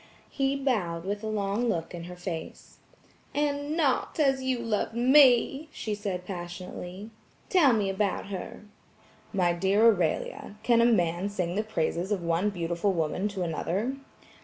He bowed with a long look in her face. "And NOT as you loved ME!" she said passionately. "Tell me about her." "My dear Aurelia, can a man sing the praises of one beautiful woman to another?"